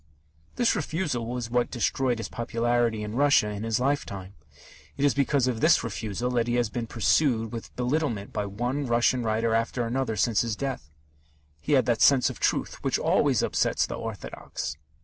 This refusal was what destroyed his popularity in Russia, in his lifetime. It is because of this refusal that he has been pursued with belittlement by one Russian writer after another since his death. He had that sense of truth which always upsets the orthodox.